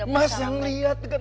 mas yang liat kan